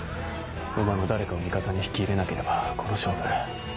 お前も誰かを味方に引き入れなければこの勝負。